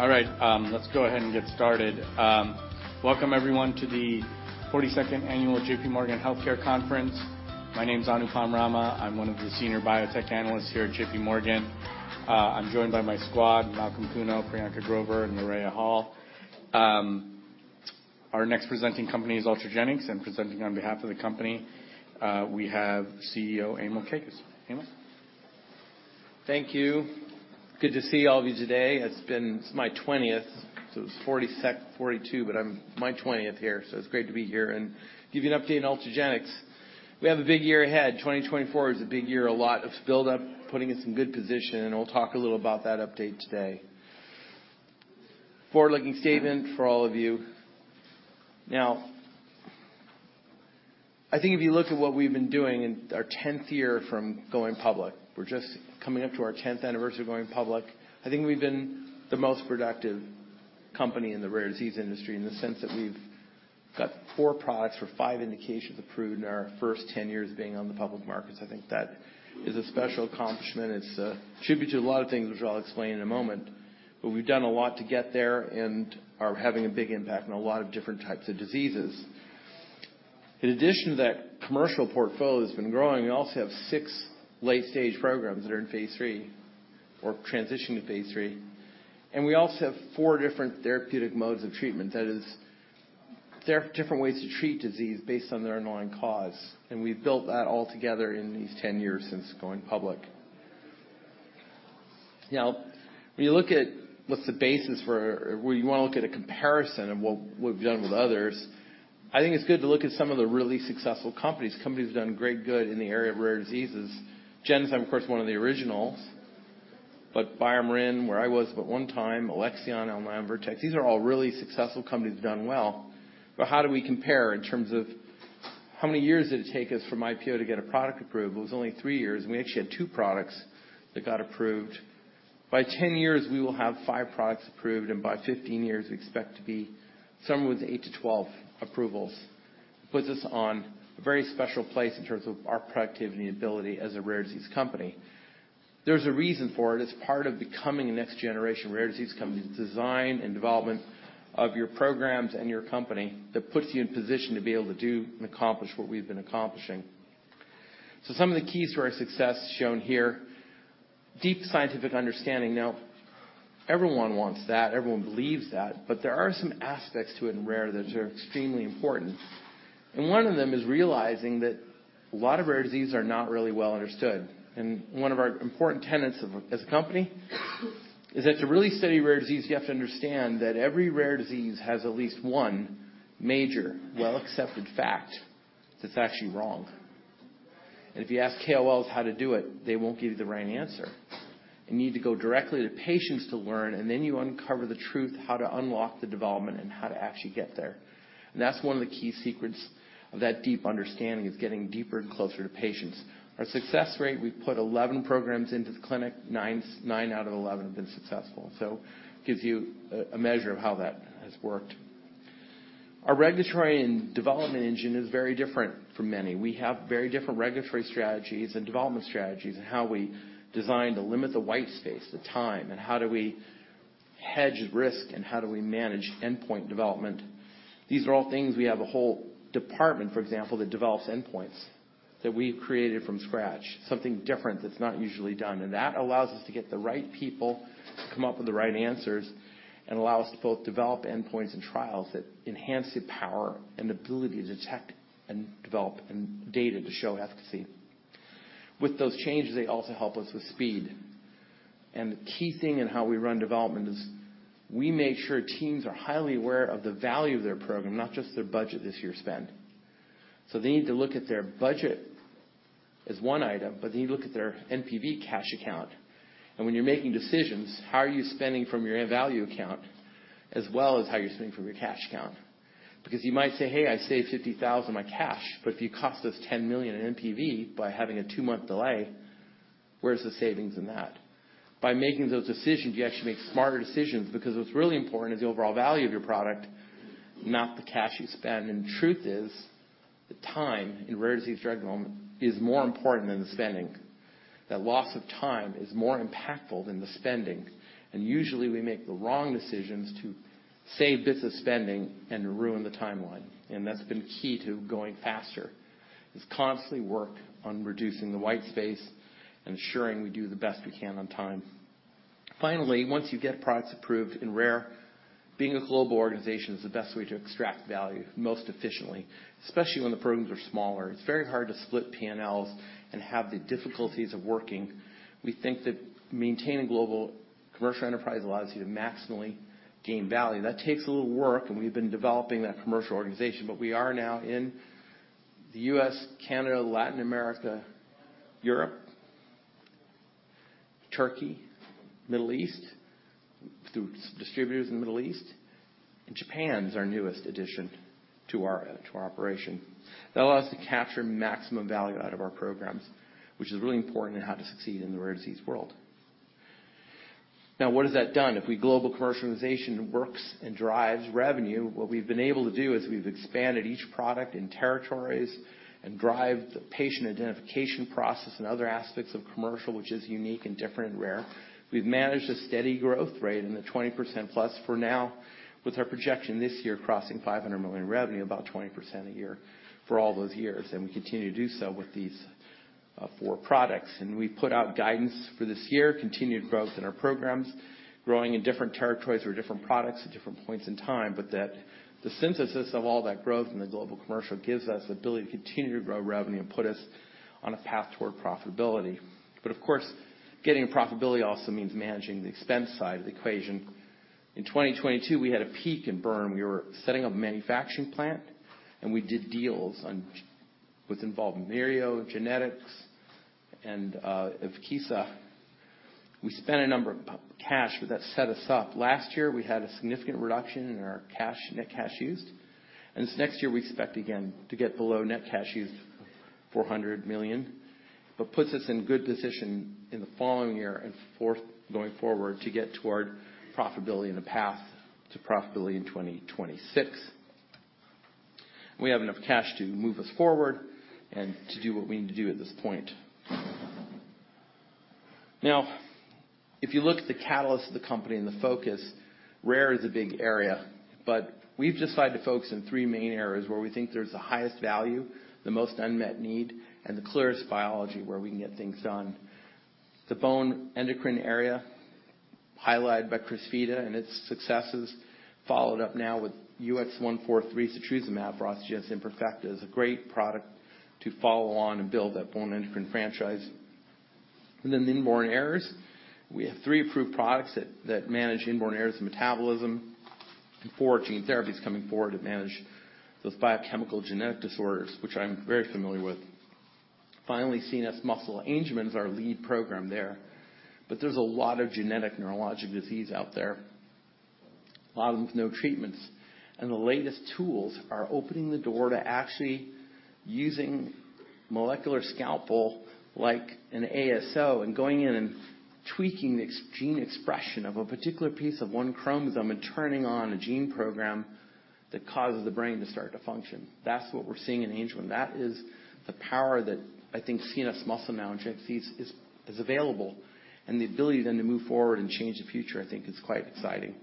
All right, let's go ahead and get started. Welcome everyone, to the 42nd Annual JPMorgan Healthcare Conference. My name is Anupam Rama. I'm one of the senior biotech analysts here at JPMorgan. I'm joined by my squad, Malcolm Kuno, Priyanka Grover, and Mireya Hall. Our next presenting company is Ultragenyx, and presenting on behalf of the company, we have CEO Emil Kakkis. Emil? Thank you. Good to see all of you today. It's been my 20th, so it's 42, but my 20th here, so it's great to be here and give you an update on Ultragenyx. We have a big year ahead. 2024 is a big year, a lot of build-up, putting us in good position, and I'll talk a little about that update today. Forward-looking statement for all of you. Now, I think if you look at what we've been doing in our 10th year from going public, we're just coming up to our 10th anniversary of going public. I think we've been the most productive company in the rare disease industry, in the sense that we've got four products for five indications approved in our first 10 years of being on the public markets. I think that is a special accomplishment. It's a tribute to a lot of things, which I'll explain in a moment, but we've done a lot to get there and are having a big impact on a lot of different types of diseases. In addition to that, commercial portfolio has been growing. We also have six late-stage programs that are in phase III or transitioning to phase III, and we also have four different therapeutic modes of treatment. That is, different ways to treat disease based on their underlying cause, and we've built that all together in these 10 years since going public. Now, when you look at what's the basis for where you want to look at a comparison of what we've done with others, I think it's good to look at some of the really successful companies, companies that have done great good in the area of rare diseases. Genzyme, of course, one of the originals, but BioMarin, where I was, but one time, Alexion, Elan, Vertex, these are all really successful companies, have done well. But how do we compare in terms of how many years did it take us from IPO to get a product approved? It was only three years, and we actually had two products that got approved. By 10 years, we will have five products approved, and by 15 years, we expect to be somewhere with eight to 12 approvals. Puts us on a very special place in terms of our productivity and ability as a rare disease company. There's a reason for it. It's part of becoming a next generation rare disease company, design and development of your programs and your company that puts you in position to be able to do and accomplish what we've been accomplishing. Some of the keys to our success shown here, deep scientific understanding. Now, everyone wants that, everyone believes that, but there are some aspects to it in rare that are extremely important, and one of them is realizing that a lot of rare diseases are not really well understood. One of our important tenets, as a company, is that to really study rare disease, you have to understand that every rare disease has at least one major, well-accepted fact that's actually wrong. If you ask KOLs how to do it, they won't give you the right answer. You need to go directly to patients to learn, and then you uncover the truth, how to unlock the development and how to actually get there. That's one of the key secrets of that deep understanding, is getting deeper and closer to patients. Our success rate, we've put 11 programs into the clinic, nine out of 11 have been successful. So gives you a measure of how that has worked. Our regulatory and development engine is very different from many. We have very different regulatory strategies and development strategies, and how we design to limit the white space, the time, and how do we hedge risk, and how do we manage endpoint development? These are all things... We have a whole department, for example, that develops endpoints that we've created from scratch, something different that's not usually done, and that allows us to get the right people to come up with the right answers and allow us to both develop endpoints and trials that enhance the power and ability to detect and develop data to show efficacy. With those changes, they also help us with speed. The key thing in how we run development is, we make sure teams are highly aware of the value of their program, not just their budget this year spend. So they need to look at their budget as one item, but they need to look at their NPV cash account. And when you're making decisions, how are you spending from your value account as well as how you're spending from your cash account? Because you might say: Hey, I saved $50,000, my cash, but if you cost us $10 million in NPV by having a two month delay, where's the savings in that? By making those decisions, you actually make smarter decisions because what's really important is the overall value of your product, not the cash you spend. And the truth is, the time in rare disease drug development is more important than the spending. That loss of time is more impactful than the spending, and usually, we make the wrong decisions to save bits of spending and ruin the timeline, and that's been key to going faster. Just constantly work on reducing the white space and ensuring we do the best we can on time. Finally, once you get products approved in rare, being a global organization is the best way to extract value most efficiently, especially when the programs are smaller. It's very hard to split PNLs and have the difficulties of working. We think that maintaining global commercial enterprise allows you to maximally gain value. That takes a little work, and we've been developing that commercial organization, but we are now in the U.S., Canada, Latin America, Europe, Turkey, Middle East, through distributors in the Middle East, and is our newest addition to our operation. That allows us to capture maximum value out of our programs, which is really important in how to succeed in the rare disease world. Now, what has that done? If we global commercialization works and drives revenue, what we've been able to do is we've expanded each product in territories and drive the patient identification process and other aspects of commercial, which is unique and different and rare. We've managed a steady growth rate in the 20%+ for now, with our projection this year crossing $500 million revenue, about 20% a year for all those years, and we continue to do so with these four products. We've put out guidance for this year, continued growth in our programs, growing in different territories or different products at different points in time, but that the synthesis of all that growth in the global commercial gives us the ability to continue to grow revenue and put us on a path toward profitability. But of course, getting profitability also means managing the expense side of the equation. In 2022, we had a peak in burn. We were setting up a manufacturing plant, and we did deals on which involved Mereo BioPharma and, Evkeeza. We spent a number of cash, but that set us up. Last year, we had a significant reduction in our cash, net cash used, and this next year, we expect again to get below net cash used $400 million. Puts us in good position in the following year and so forth, going forward, to get toward profitability and a path to profitability in 2026. We have enough cash to move us forward and to do what we need to do at this point. Now, if you look at the catalysts of the company and the focus, rare is a big area, but we've decided to focus in three main areas where we think there's the highest value, the most unmet need, and the clearest biology where we can get things done. The bone endocrine area, highlighted by Crysvita and its successes, followed up now with UX143 setrusumab for osteogenesis imperfecta, is a great product to follow on and build that bone endocrine franchise. And then inborn errors, we have three approved products that, that manage inborn errors in metabolism, and four gene therapies coming forward to manage those biochemical genetic disorders, which I'm very familiar with. Finally, CNS muscle. Angelman is our lead program there, but there's a lot of genetic neurologic disease out there, a lot of them with no treatments. The latest tools are opening the door to actually using molecular scalpel, like an ASO, and going in and tweaking the gene expression of a particular piece of one chromosome and turning on a gene program that causes the brain to start to function. That's what we're seeing in Angelman. That is the power that I think CNS muscle now genes is, is available, and the ability then to move forward and change the future, I think, is quite exciting.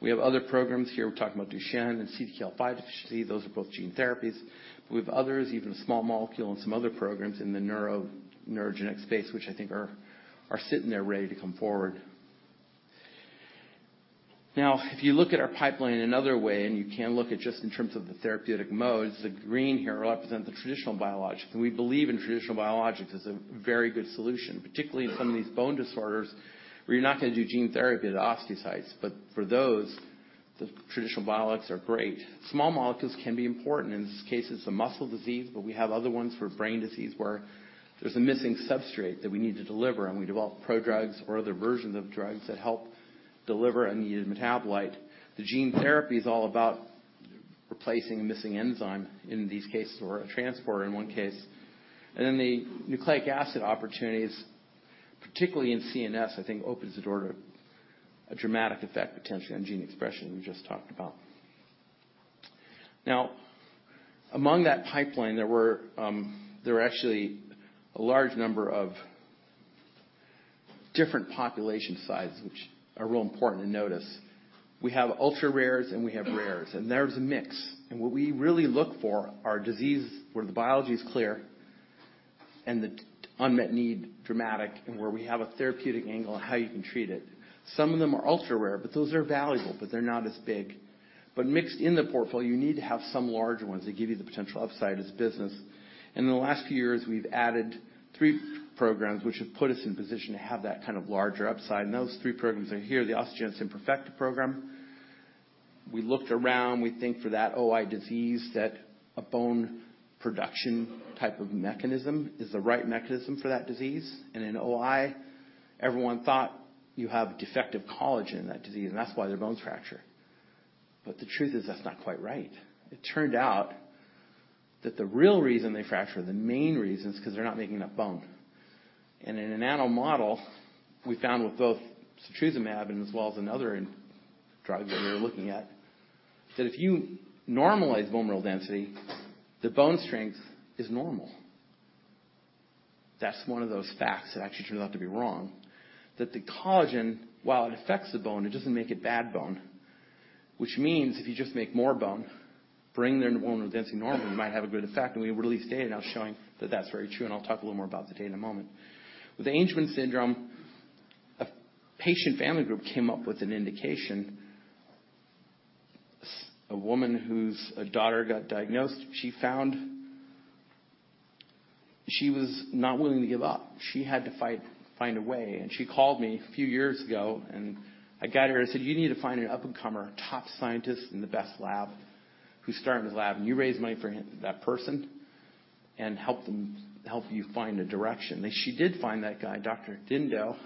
We have other programs here. We're talking about Duchenne and CDKL5 deficiency. Those are both gene therapies. We have others, even a small molecule and some other programs in the neurogenetic space, which I think are, are sitting there ready to come forward. Now, if you look at our pipeline in another way, and you can look at just in terms of the therapeutic modes, the green here represent the traditional biologics. We believe in traditional biologics as a very good solution, particularly in some of these bone disorders, where you're not gonna do gene therapy to the osteocytes. But for those, the traditional biologics are great. Small molecules can be important in this case, it's a muscle disease, but we have other ones for brain disease where there's a missing substrate that we need to deliver, and we develop prodrugs or other versions of drugs that help deliver on the metabolite. The gene therapy is all about replacing a missing enzyme in these cases, or a transporter in one case. And then the nucleic acid opportunities, particularly in CNS, I think, opens the door to a dramatic effect, potentially on gene expression we just talked about. Now, among that pipeline, there were, there were actually a large number of different population sizes, which are real important to notice. We have ultra-rares and we have rares, and there's a mix. And what we really look for are diseases where the biology is clear and the unmet need dramatic, and where we have a therapeutic angle on how you can treat it. Some of them are ultra-rare, but those are valuable, but they're not as big. But mixed in the portfolio, you need to have some larger ones that give you the potential upside as a business. In the last few years, we've added three programs, which have put us in position to have that kind of larger upside. And those three programs are here, the Osteogenesis Imperfecta program. We looked around, we think for that OI disease, that a bone production type of mechanism is the right mechanism for that disease. And in OI, everyone thought you have defective collagen in that disease, and that's why their bones fracture. But the truth is, that's not quite right. It turned out that the real reason they fracture, the main reason, is 'cause they're not making enough bone. And in an animal model, we found with both setrusumab and as well as another drug that we were looking at, that if you normalize bone mineral density, the bone strength is normal. That's one of those facts that actually turned out to be wrong. That the collagen, while it affects the bone, it doesn't make it bad bone. Which means if you just make more bone, bring their bone density normal, it might have a good effect, and we released data now showing that that's very true, and I'll talk a little more about the data in a moment. With the Angelman Syndrome, a patient family group came up with an indication. A woman whose daughter got diagnosed, she found... She was not willing to give up. She had to fight, find a way, and she called me a few years ago, and I guided her. I said, "You need to find an up-and-comer, top scientist in the best lab who's starting his lab, and you raise money for him, that person, and help them, help you find a direction." And she did find that guy, Dr. Dindot,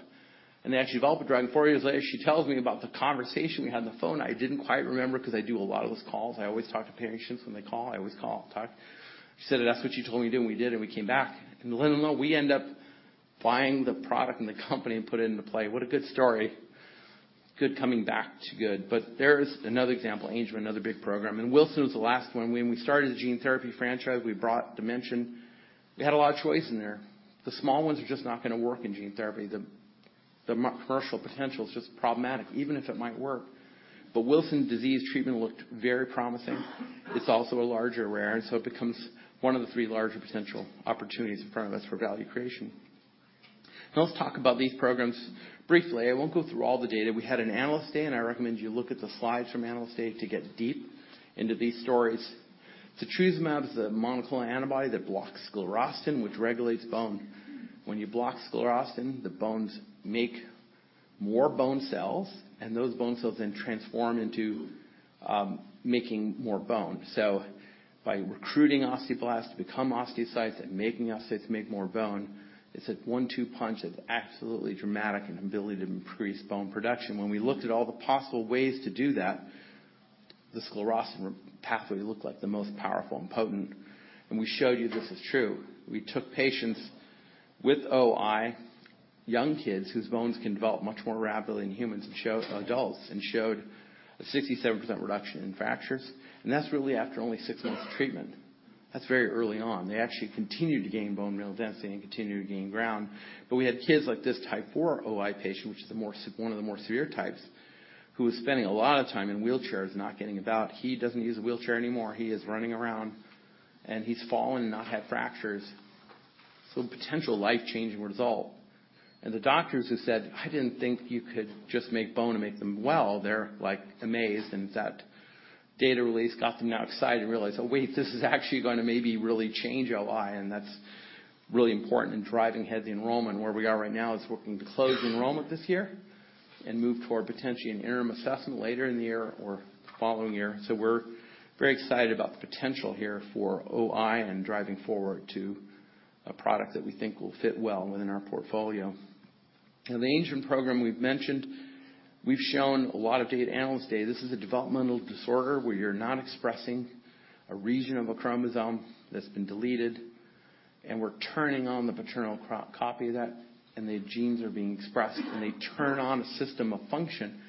and they actually developed a drug. Four years later, she tells me about the conversation we had on the phone. I didn't quite remember 'cause I do a lot of those calls. I always talk to patients when they call. I always call and talk. She said, "That's what you told me to do, and we did, and we came back." And lo and behold, we end up buying the product and the company and put it into play. What a good story. Good coming back to good. But there is another example, Angelman, another big program, and Wilson was the last one. When we started the gene therapy franchise, we brought Dimension. We had a lot of choice in there. The small ones are just not gonna work in gene therapy. The commercial potential is just problematic, even if it might work. But Wilson Disease treatment looked very promising. It's also a larger rare, and so it becomes one of the three larger potential opportunities in front of us for value creation. Now, let's talk about these programs briefly. I won't go through all the data. We had an Analyst Day, and I recommend you look at the slides from Analyst Day to get deep into these stories. Setrusumab is a monoclonal antibody that blocks sclerostin, which regulates bone. When you block sclerostin, the bones make more bone cells, and those bone cells then transform into making more bone. So by recruiting osteoblasts to become osteocytes and making osteocytes make more bone, it's a one-two punch that's absolutely dramatic in ability to increase bone production. When we looked at all the possible ways to do that, the sclerostin pathway looked like the most powerful and potent, and we showed you this is true. We took patients with OI, young kids whose bones can develop much more rapidly than adults, and showed a 67% reduction in fractures, and that's really after only six months of treatment. That's very early on. They actually continued to gain bone mineral density and continued to gain ground. But we had kids like this type 4 OI patient, which is the more severe one of the more severe types, who was spending a lot of time in wheelchairs, not getting about. He doesn't use a wheelchair anymore. He is running around, and he's fallen and not had fractures. So potential life-changing result. The doctors who said, "I didn't think you could just make bone and make them well," they're, like, amazed, and that data release got them now excited and realized, oh, wait, this is actually gonna maybe really change OI, and that's really important in driving ahead the enrollment. Where we are right now is working to close enrollment this year and move toward potentially an interim assessment later in the year or following year. So we're very excited about the potential here for OI and driving forward to a product that we think will fit well within our portfolio. Now, the Angelman program we've mentioned, we've shown a lot of data at Analyst Day. This is a developmental disorder where you're not expressing a region of a chromosome that's been deleted, and we're turning on the paternal copy of that, and the genes are being expressed, and they turn on a system of function.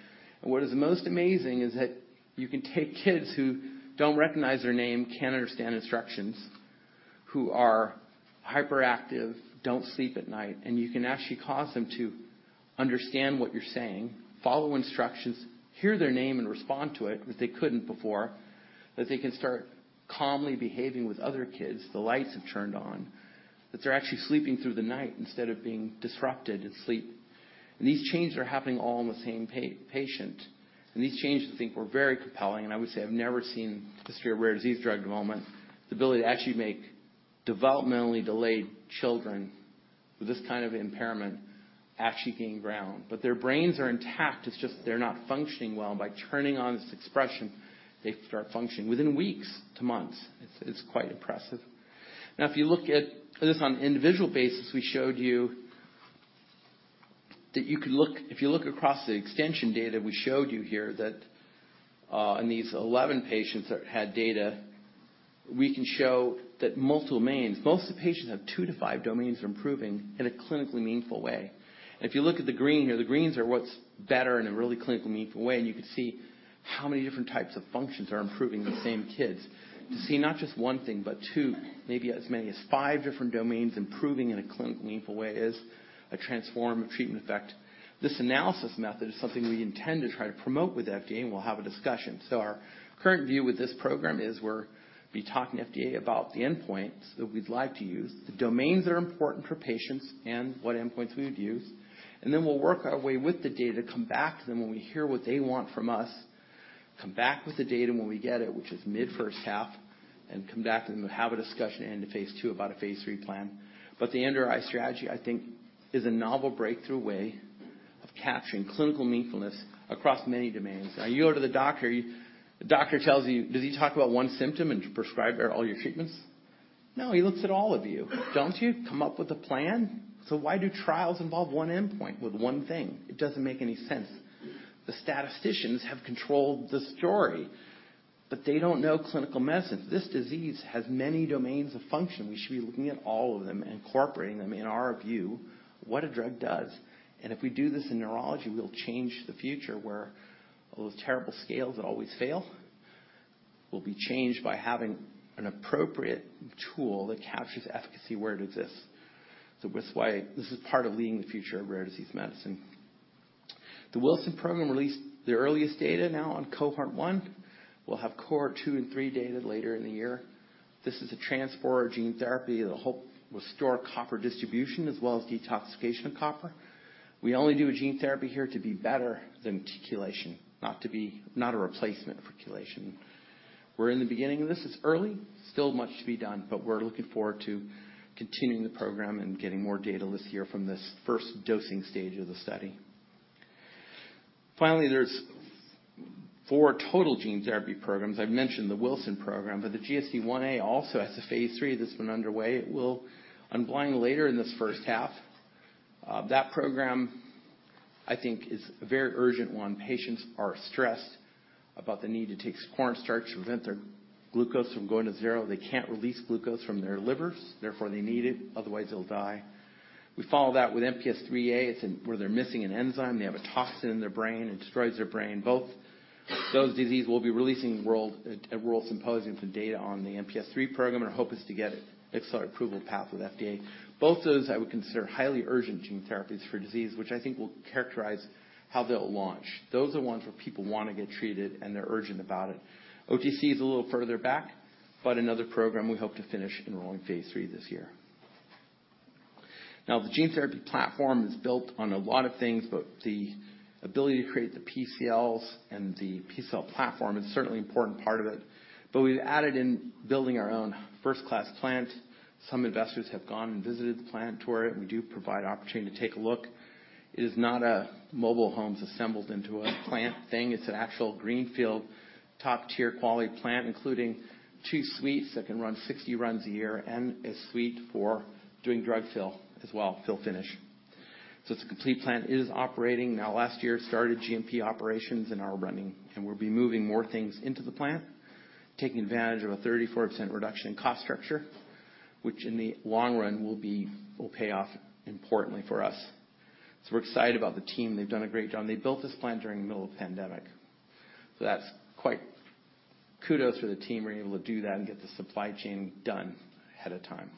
And what is the most amazing is that you can take kids who don't recognize their name, can't understand instructions, who are hyperactive, don't sleep at night, and you can actually cause them to understand what you're saying, follow instructions, hear their name and respond to it, which they couldn't before, that they can start calmly behaving with other kids. The lights have turned on, that they're actually sleeping through the night instead of being disrupted in sleep. And these changes are happening all in the same patient. These changes, I think, were very compelling, and I would say I've never seen the speed of rare disease drug development, the ability to actually make developmentally delayed children with this kind of impairment actually gain ground. But their brains are intact, it's just they're not functioning well. By turning on this expression, they start functioning within weeks to months. It's quite impressive. Now, if you look at this on an individual basis, we showed you that if you look across the extension data, we showed you here that in these 11 patients that had data, we can show that multiple domains, most of the patients have 2-5 domains improving in a clinically meaningful way. If you look at the green here, the greens are what's better in a really clinically meaningful way, and you can see how many different types of functions are improving the same kids. To see not just one thing, but two, maybe as many as five different domains, improving in a clinically meaningful way is a transformative treatment effect. This analysis method is something we intend to try to promote with the FDA, and we'll have a discussion. Our current view with this program is we'll be talking to FDA about the endpoints that we'd like to use, the domains that are important for patients and what endpoints we would use. Then we'll work our way with the data, come back to them when we hear what they want from us, come back with the data when we get it, which is mid first half, and come back and we'll have a discussion and a phase II about a phase III plan. But the MDRI strategy, I think, is a novel breakthrough way of capturing clinical meaningfulness across many domains. Now, you go to the doctor, you, the doctor tells you, does he talk about one symptom and prescribe all your treatments? No, he looks at all of you. Don't you come up with a plan? So why do trials involve one endpoint with one thing? It doesn't make any sense. The statisticians have controlled the story, but they don't know clinical medicine. This disease has many domains of function. We should be looking at all of them and incorporating them in our view, what a drug does. If we do this in neurology, we'll change the future where those terrible scales that always fail will be changed by having an appropriate tool that captures efficacy where it exists. That's why this is part of leading the future of rare disease medicine. The Wilson Program released the earliest data now on Cohort 1. We'll have Cohort 2 and 3 data later in the year. This is a transporter gene therapy that'll help restore copper distribution, as well as detoxification of copper. We only do a gene therapy here to be better than chelation, not to be a replacement for chelation. We're in the beginning of this. It's early, still much to be done, but we're looking forward to continuing the program and getting more data this year from this first dosing stage of the study. Finally, there's four total gene therapy programs. I've mentioned the Wilson program, but the GSD Ia also has a phase III that's been underway. It will unblind later in this first half. That program, I think, is a very urgent one. Patients are stressed about the need to take cornstarch to prevent their glucose from going to zero. They can't release glucose from their livers, therefore, they need it, otherwise they'll die. We follow that with MPS IIIA. It's in where they're missing an enzyme. They have a toxin in their brain and destroys their brain. Both those diseases will be releasing at WORLD, a WORLD Symposium for data on the MPS III program, and our hope is to get it accelerated approval path with FDA. Both those, I would consider, highly urgent gene therapies for disease, which I think will characterize how they'll launch. Those are the ones where people want to get treated, and they're urgent about it. OTC is a little further back, but another program we hope to finish enrolling phase III this year. Now, the gene therapy platform is built on a lot of things, but the ability to create the PCLs and the PCL platform is certainly an important part of it. But we've added in building our own first-class plant. Some investors have gone and visited the plant, toured it, and we do provide opportunity to take a look. It is not a mobile homes assembled into a plant thing. It's an actual greenfield, top-tier quality plant, including two suites that can run 60 runs a year and a suite for doing drug fill as well, fill finish. So it's a complete plant. It is operating now. Last year, started GMP operations and are running, and we'll be moving more things into the plant, taking advantage of a 34% reduction in cost structure, which in the long run, will be. Will pay off importantly for us. So we're excited about the team. They've done a great job. They built this plant during the middle of the pandemic, so that's quite kudos for the team. We're able to do that and get the supply chain done ahead of time.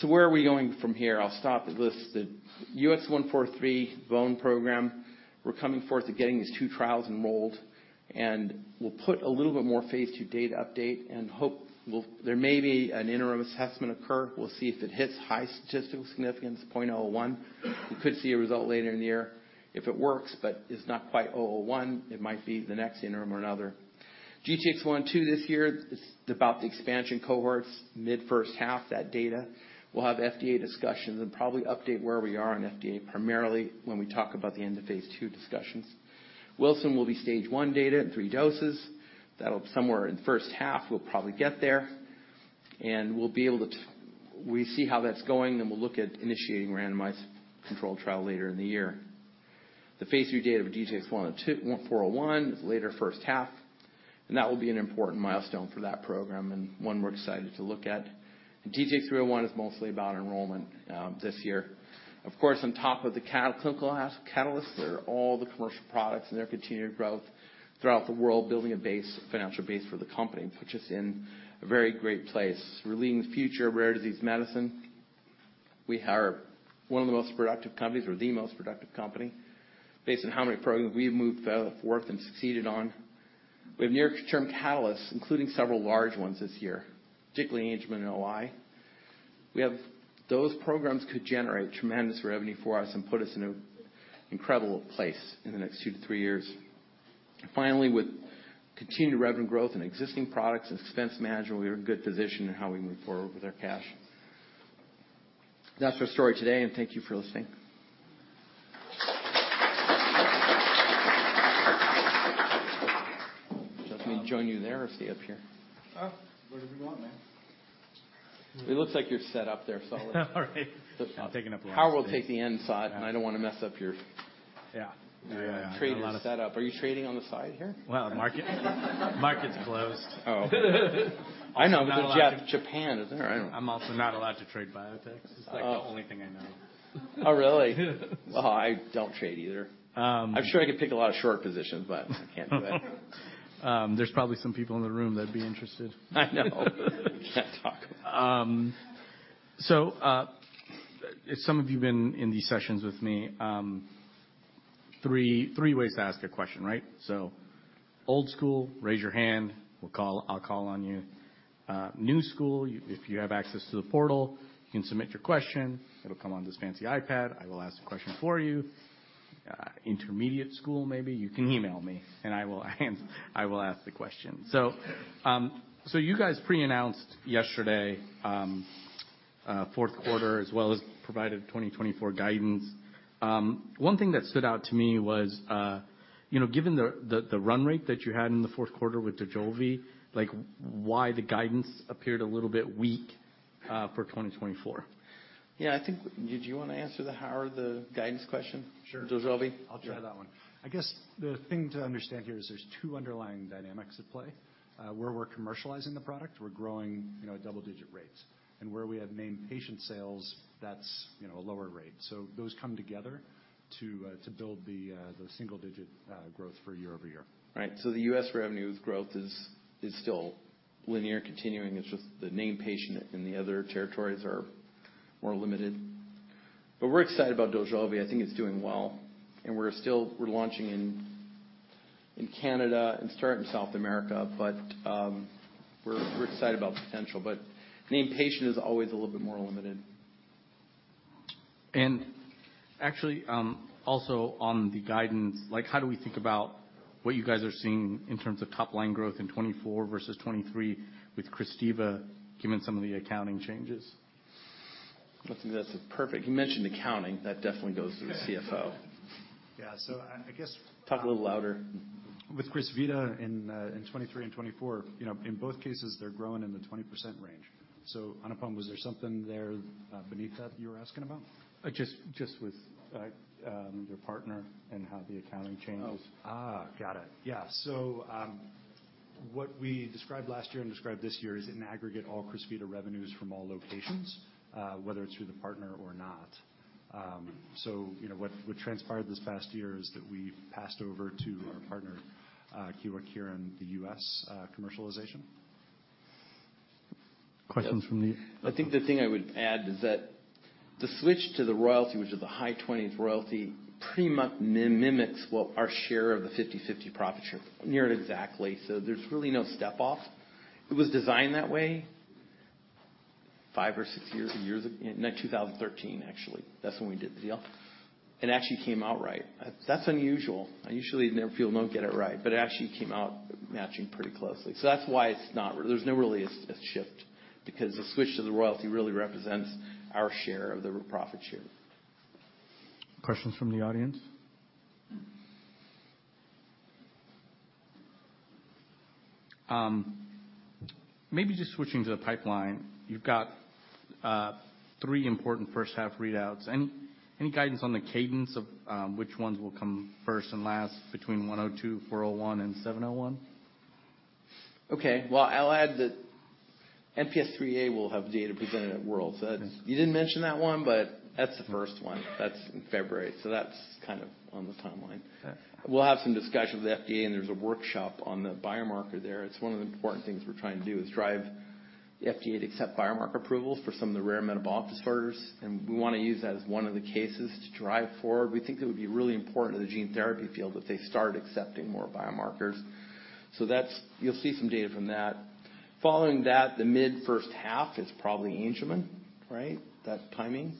So where are we going from here? I'll start with this, the UX143 bone program. We're coming close to getting these two trials enrolled, and we'll put a little bit more phase II data update and hope we'll—there may be an interim assessment occur. We'll see if it hits high statistical significance, 0.01. We could see a result later in the year if it works, but it's not quite 0.01, it might be the next interim or another. GTX-102 this year is about the expansion cohorts. Mid-first half, that data, we'll have FDA discussions and probably update where we are on FDA, primarily when we talk about the end of Phase 2 discussions. Wilson will be Stage 1 data in three doses. That'll somewhere in the first half, we'll probably get there, and we'll be able to see how that's going, then we'll look at initiating a randomized controlled trial later in the year. The phase III data of GTX-102, DTX401, is later first half, and that will be an important milestone for that program and one we're excited to look at. DTX301 is mostly about enrollment, this year. Of course, on top of the clinical catalysts, there are all the commercial products and their continued growth throughout the world, building a base, financial base for the company, which is in a very great place. We're leading the future of rare disease medicine. We are one of the most productive companies or the most productive company based on how many programs we've moved, forth and succeeded on. We have near-term catalysts, including several large ones this year, particularly Angelman and OI. We have... Those programs could generate tremendous revenue for us and put us in an incredible place in the next 2-3 years. Finally, with continued revenue growth and existing products and expense management, we are in a good position in how we move forward with our cash. That's our story today, and thank you for listening. Do you want me to join you there or stay up here? Wherever you want, man. It looks like you're set up there, so- All right. I'll take up- Howard will take the inside, and I don't want to mess up your- Yeah. Trade setup. Are you trading on the side here? Well, market, market's closed. Oh, I know. Japan is there. I don't know. I'm also not allowed to trade biotechs. Oh. It's, like, the only thing I know. Oh, really? Yes. Well, I don't trade either. I'm sure I could pick a lot of short positions, but I can't do that. There's probably some people in the room that'd be interested. I know. Can't talk. So, if some of you've been in these sessions with me, three ways to ask a question, right? So old school, raise your hand. We'll call... I'll call on you. New school, if you have access to the portal, you can submit your question. It'll come on this fancy iPad. I will ask the question for you. Intermediate school, maybe, you can email me, and I will ask the question. So, you guys pre-announced yesterday, fourth quarter, as well as provided 2024 guidance. One thing that stood out to me was, you know, given the run rate that you had in the fourth quarter with Dojolvi, like, why the guidance appeared a little bit weak, for 2024? Yeah, I think... Did you want to answer the Howard, the guidance question- Sure. Dojolvi? I'll try that one. I guess the thing to understand here is there's two underlying dynamics at play. Where we're commercializing the product, we're growing, you know, at double-digit rates. And where we have named patient sales, that's, you know, a lower rate. So those come together to build the single-digit growth for year-over-year. Right. So the U.S. revenue growth is still linear, continuing. It's just the named patient in the other territories are more limited. But we're excited about Dojolvi. I think it's doing well, and we're still launching in Canada and starting South America. But we're excited about the potential, but named patient is always a little bit more limited. Actually, also on the guidance, like, how do we think about what you guys are seeing in terms of top-line growth in 2024 versus 2023 with Crysvita, given some of the accounting changes? I think that's perfect. You mentioned accounting. That definitely goes to the CFO. Yeah. So I, I guess- Talk a little louder. ...With Crysvita in 2023 and 2024, you know, in both cases, they're growing in the 20% range. So Anupam, was there something there beneath that you were asking about? Just with your partner and how the accounting changes. Got it. Yeah. So, what we described last year and described this year is in aggregate, all Crysvita revenues from all locations, whether it's through the partner or not. So you know, what transpired this past year is that we've passed over to our partner, Kyowa Kirin here in the U.S., commercialization. Questions from the- I think the thing I would add is that the switch to the royalty, which is a high 20s royalty, pretty much mimics what our share of the 50/50 profit share, near it exactly. So there's really no step off. It was designed that way five or six years ago. In 2013, actually, that's when we did the deal, and actually came out right. That's unusual. I usually never feel don't get it right, but it actually came out matching pretty closely. So that's why it's not... There's no really a shift, because the switch to the royalty really represents our share of the profit share. Questions from the audience? Maybe just switching to the pipeline. You've got three important first half readouts. Any guidance on the cadence of which ones will come first and last between GTX-102, DTX401, and UX701? Okay. Well, I'll add that MPS IIIA will have data presented at WORLD. So that's... You didn't mention that one, but that's the first one. That's in February, so that's kind of on the timeline. Okay. We'll have some discussion with the FDA, and there's a workshop on the biomarker there. It's one of the important things we're trying to do, is drive the FDA to accept biomarker approvals for some of the rare metabolic disorders, and we want to use that as one of the cases to drive forward. We think it would be really important to the gene therapy field that they start accepting more biomarkers. So that's. You'll see some data from that. Following that, the mid first half is probably Angelman, right? That timing.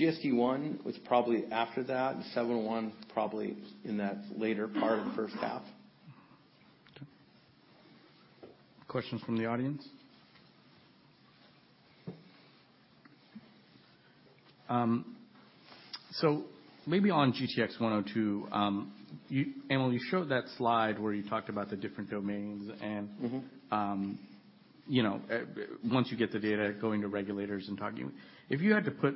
GSD-1 was probably after that, and UX701, probably in that later part of the first half. Okay. Questions from the audience? So maybe on GTX-102, you and when you showed that slide where you talked about the different domains and- Mm-hmm. you know, once you get the data, going to regulators and talking. If you had to put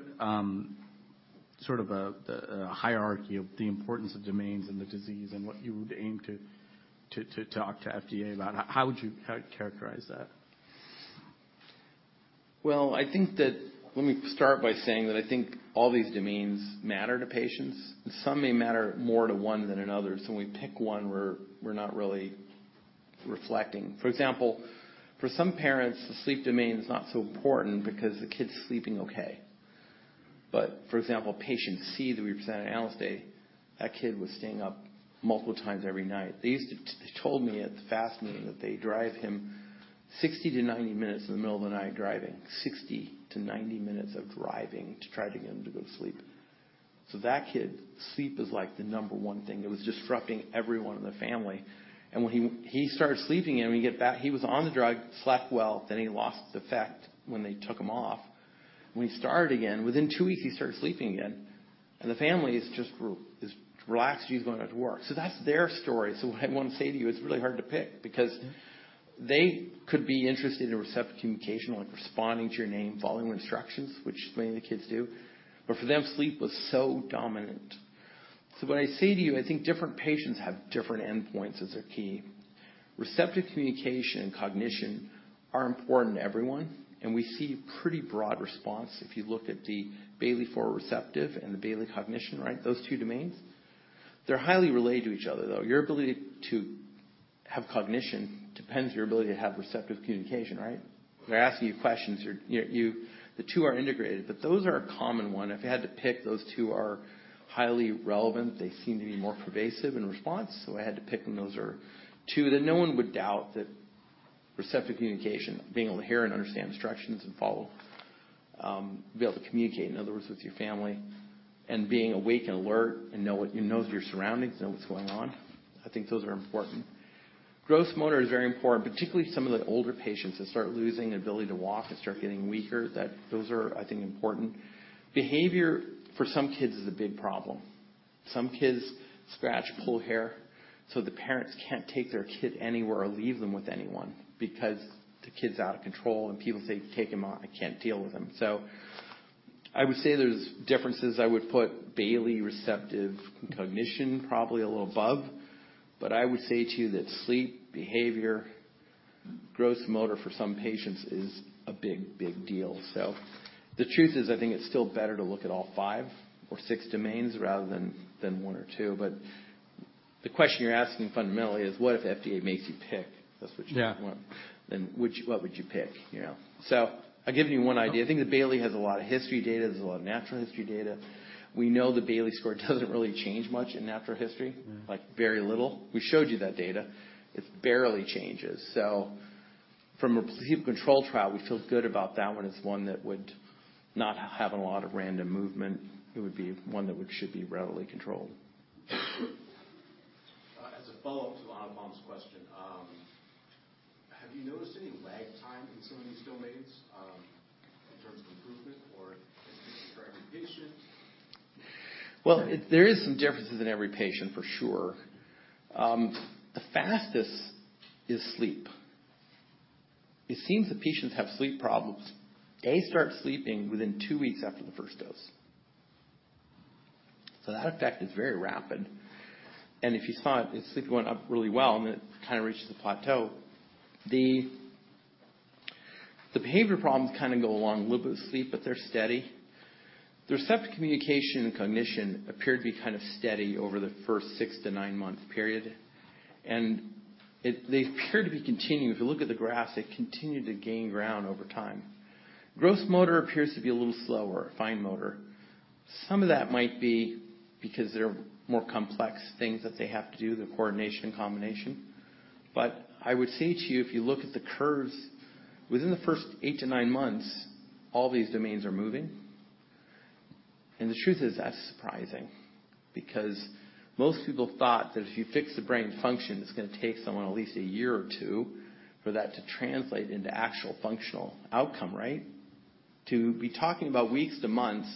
sort of a hierarchy of the importance of domains and the disease and what you would aim to talk to FDA about, how would you characterize that? Well, I think that... Let me start by saying that I think all these domains matter to patients. Some may matter more to one than another, so when we pick one, we're, we're not really reflecting. For example, for some parents, the sleep domain is not so important because the kid's sleeping okay. But for example, patient C that we presented on Analyst Day, that kid was staying up multiple times every night. They used to, they told me, it's fascinating, that they drive him 60-90 minutes in the middle of the night, driving. 60-90 minutes of driving to try to get him to go to sleep. So that kid, sleep is like the number one thing. It was disrupting everyone in the family, and when he started sleeping, and we get back, he was on the drug, slept well, then he lost the effect when they took him off. When he started again, within two weeks, he started sleeping again, and the family is just relaxed. He's going to work. So that's their story. So what I want to say to you, it's really hard to pick because they could be interested in receptive communication, like responding to your name, following instructions, which many of the kids do. But for them, sleep was so dominant. So when I say to you, I think different patients have different endpoints as their key. Receptive communication and cognition are important to everyone, and we see pretty broad response if you look at the Bayley-IV Receptive and the Bayley Cognition, right? Those two domains. They're highly related to each other, though. Your ability to have cognition depends on your ability to have receptive communication, right? They're asking you questions. You're, you know, the two are integrated, but those are a common one. If you had to pick, those two are highly relevant. They seem to be more pervasive in response. So I had to pick them. Those are two that no one would doubt that receptive communication, being able to hear and understand instructions and follow, be able to communicate, in other words, with your family, and being awake and alert and know what... You know your surroundings, know what's going on, I think those are important. Gross motor is very important, particularly some of the older patients that start losing their ability to walk and start getting weaker, that those are, I think, important. Behavior for some kids is a big problem. Some kids scratch, pull hair, so the parents can't take their kid anywhere or leave them with anyone because the kid's out of control, and people say: "Take him out. I can't deal with him." So I would say there's differences. I would put Bayley Receptive and Cognition probably a little above, but I would say to you that sleep, behavior, gross motor, for some patients, is a big, big deal. So the truth is, I think it's still better to look at all five or six domains rather than one or two. But the question you're asking fundamentally is, what if FDA makes you pick? That's what you want. Yeah. Then which, what would you pick, you know? So I've given you one idea. I think the Bayley has a lot of history data. There's a lot of natural history data. We know the Bayley score doesn't really change much in natural history. Mm. Like, very little. We showed you that data. It barely changes. So from a placebo-controlled trial, we feel good about that one as one that would not have a lot of random movement. It would be one that would should be readily controlled. As a follow-up to Anupam's question, Have you noticed any lag time in some of these domains, in terms of improvement or for every patient? Well, there is some differences in every patient, for sure. The fastest is sleep. It seems that patients have sleep problems. They start sleeping within two weeks after the first dose. So that effect is very rapid, and if you saw it, the sleep went up really well, and it kind of reaches a plateau. The, the behavior problems kind of go along a little bit with sleep, but they're steady. The receptive communication and cognition appeared to be kind of steady over the first six to nine month period, and it... They appeared to be continuing. If you look at the graphs, they continued to gain ground over time. Gross motor appears to be a little slower, fine motor. Some of that might be because they're more complex things that they have to do, the coordination and combination. But I would say to you, if you look at the curves, within the first eight to nine months, all these domains are moving. And the truth is, that's surprising because most people thought that if you fix the brain function, it's gonna take someone at least a year or two for that to translate into actual functional outcome, right? To be talking about weeks to months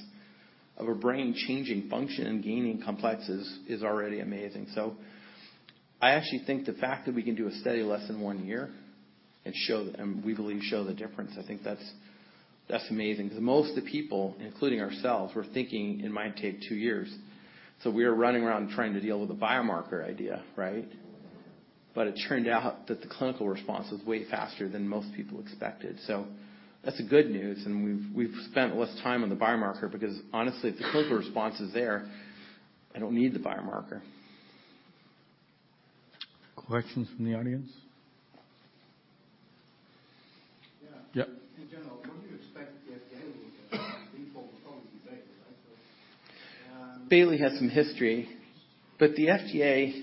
of a brain changing function and gaining complexes is already amazing. So I actually think the fact that we can do a study less than one year and show the... And we believe, show the difference, I think that's, that's amazing. Because most of the people, including ourselves, were thinking it might take two years. So we were running around trying to deal with the biomarker idea, right? But it turned out that the clinical response was way faster than most people expected. That's the good news, and we've spent less time on the biomarker because honestly, if the clinical response is there, I don't need the biomarker. Questions from the audience? Yeah. In general, what do you expect the FDA will do? Before we talk today, right? So, Bayley has some history, but the FDA,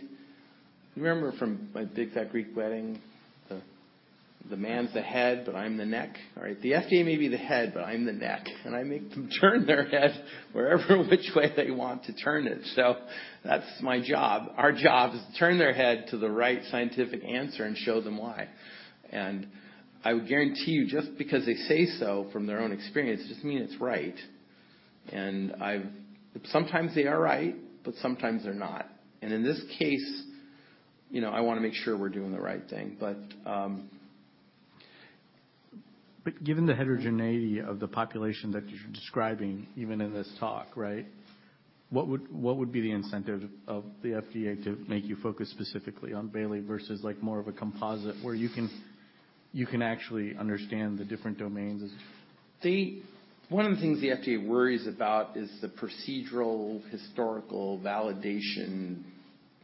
you remember from My Big Fat Greek Wedding, the man's the head, but I'm the neck. All right, the FDA may be the head, but I'm the neck, and I make them turn their head wherever which way they want to turn it. So that's my job. Our job is to turn their head to the right scientific answer and show them why. And I would guarantee you, just because they say so from their own experience, doesn't mean it's right. Sometimes they are right, but sometimes they're not. And in this case, you know, I wanna make sure we're doing the right thing, but. But given the heterogeneity of the population that you're describing, even in this talk, right? What would, what would be the incentive of the FDA to make you focus specifically on Bayley versus like more of a composite where you can, you can actually understand the different domains? One of the things the FDA worries about is the procedural, historical, validation,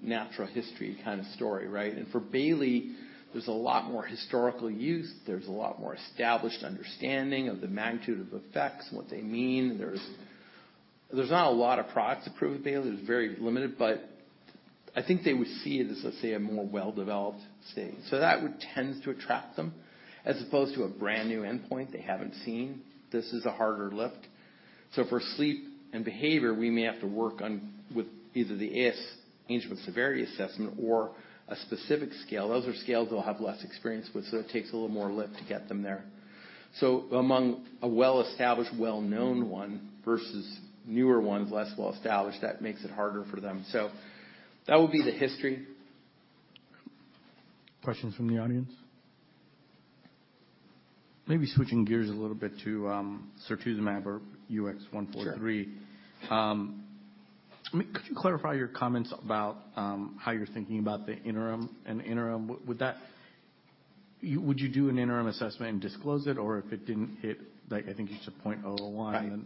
natural history kind of story, right? For Bayley, there's a lot more historical use. There's a lot more established understanding of the magnitude of effects and what they mean. There's, there's not a lot of products approved with Bayley. There's very limited, but I think they would see it as, let's say, a more well-developed state. So that would tends to attract them as opposed to a brand-new endpoint they haven't seen. This is a harder lift. So for sleep and behavior, we may have to work on with either the AS, Angelman Severe Assessment or a specific scale. Those are scales they'll have less experience with, so it takes a little more lift to get them there. So among a well-established, well-known one versus newer ones, less well-established, that makes it harder for them. That would be the history. Questions from the audience? Maybe switching gears a little bit to setrusumab or UX143. Sure. Could you clarify your comments about how you're thinking about the interim, an interim? Would you do an interim assessment and disclose it? Or if it didn't hit, like I think you said 0.01. Right.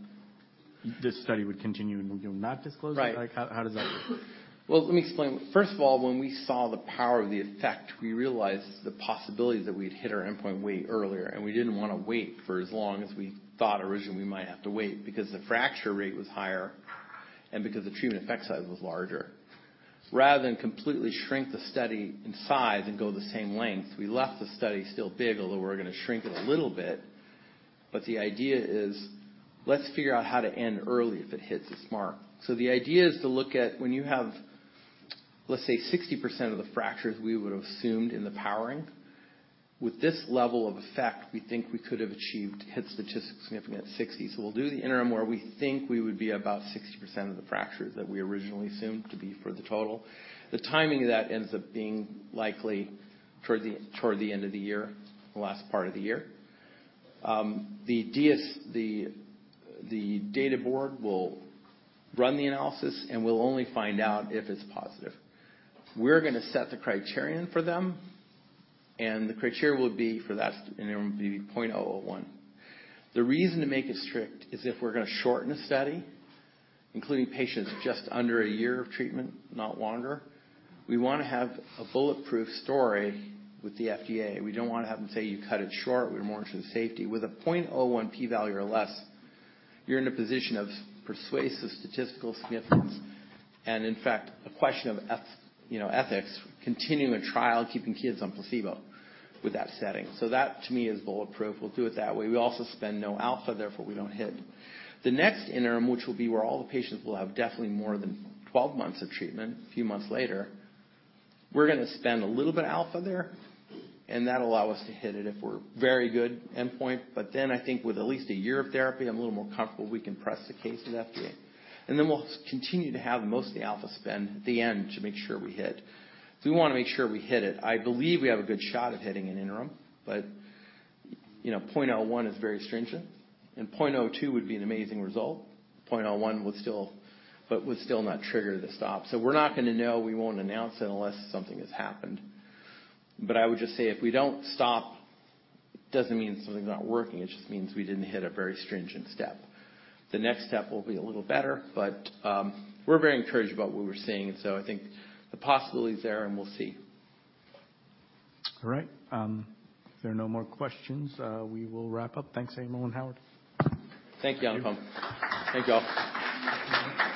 This study would continue, and you'll not disclose it? Right. Like, how, how does that work? Well, let me explain. First of all, when we saw the power of the effect, we realized the possibility that we'd hit our endpoint way earlier, and we didn't wanna wait for as long as we thought originally we might have to wait, because the fracture rate was higher and because the treatment effect size was larger. Rather than completely shrink the study in size and go the same length, we left the study still big, although we're gonna shrink it a little bit. But the idea is, let's figure out how to end early if it hits the mark. So the idea is to look at when you have, let's say, 60% of the fractures we would have assumed in the powering. With this level of effect, we think we could have achieved hit statistic significance at 60. So we'll do the interim, where we think we would be about 60% of the fractures that we originally assumed to be for the total. The timing of that ends up being likely towards the end of the year, the last part of the year. The DS, the data board will run the analysis, and we'll only find out if it's positive. We're gonna set the criterion for them, and the criteria will be for that, and it will be 0.01. The reason to make it strict is if we're gonna shorten the study, including patients just under a year of treatment, not longer, we wanna have a bulletproof story with the FDA. We don't want to have them say: You cut it short, we're more interested in safety. With a 0.01 p-value or less, you're in a position of persuasive statistical significance, and in fact, a question of—you know, ethics—continuing a trial, keeping kids on placebo with that setting. So that, to me, is bulletproof. We'll do it that way. We also spend no alpha; therefore, we don't hit. The next interim, which will be where all the patients will have definitely more than 12 months of treatment, a few months later. We're gonna spend a little bit of alpha there, and that'll allow us to hit it if we're very good endpoint. But then I think with at least a year of therapy, I'm a little more comfortable we can press the case with FDA. And then we'll continue to have most of the alpha spend at the end to make sure we hit. So we wanna make sure we hit it. I believe we have a good shot of hitting an interim, but, you know, 0.01 is very stringent, and 0.02 would be an amazing result. 0.01 would still... but would still not trigger the stop. So we're not gonna know. We won't announce it unless something has happened. But I would just say, if we don't stop, doesn't mean something's not working. It just means we didn't hit a very stringent step. The next step will be a little better, but, we're very encouraged about what we're seeing. So I think the possibility is there, and we'll see. All right. If there are no more questions, we will wrap up. Thanks a million, Howard. Thank you, Anupam. Thank you, all.